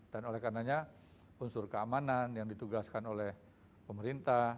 dan oleh karenanya unsur keamanan yang ditugaskan oleh pemerintah